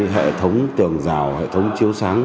hệ thống tường rào hệ thống chiếu sáng